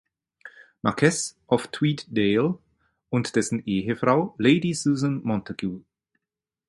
Marquess of Tweeddale und dessen Ehefrau Lady Susan Montagu.